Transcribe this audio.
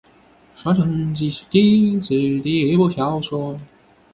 《双城记》是狄更斯的一部小说。